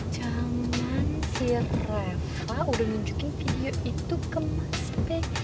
jaman si reva udah nunjukin video itu ke mas b